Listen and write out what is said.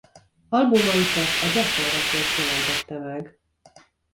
Albumaikat a Geffen Records jelentette meg.